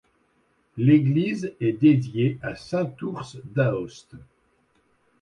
L'église est dédiée à saint Ours d'Aoste.